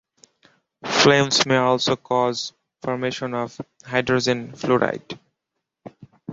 Flames may also cause formation of hydrogen fluoride.